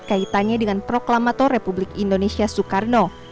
kaitannya dengan proklamator republik indonesia soekarno